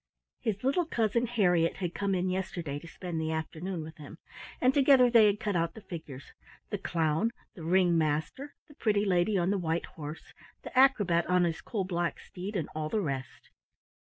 His little cousin Harriett had come in yesterday to spend the afternoon with him, and together they had cut out the figures — the clown, the ring master, the pretty lady on the white horse, the acrobat on his coal black steed, and all the rest.